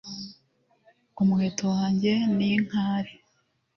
Umuheto wanjye ni inkare